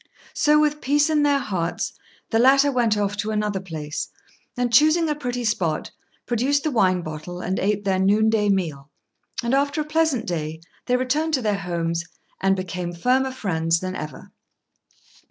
So, with peace in their hearts, the latter went off to another place, and, choosing a pretty spot, produced the wine bottle and ate their noon day meal; and after a pleasant day, they returned to their homes, and became firmer friends than ever.